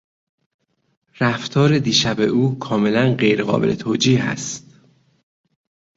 رفتار دیشب او کاملا غیر قابل توجیه است.